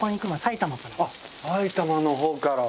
あっ埼玉の方から。